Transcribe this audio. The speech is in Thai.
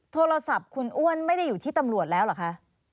โทรศัพท์คุณอ้วนไม่ได้อยู่ที่ตำรวจแล้วเหรอคะ